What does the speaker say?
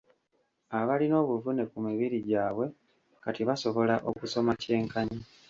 Abalina obuvune ku mibiri gyabwe, kati basobola okusoma kyenkanyi.